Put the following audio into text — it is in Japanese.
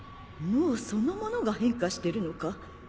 脳そのものが変化してるのか？